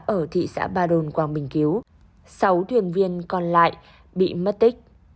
ở thị xã ba đồn quảng bình cứu sáu thuyền viên còn lại bị mất tích